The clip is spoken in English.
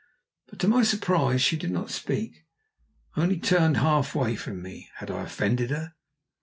But to my surprise she did not speak, only turned half away from me. Had I offended her?